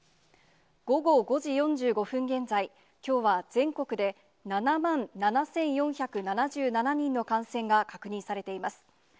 午後５時４５分現在、きょうは全国で、７万７４７７人の感染が確認されています。